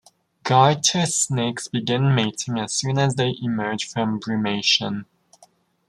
Garter snakes begin mating as soon as they emerge from brumation.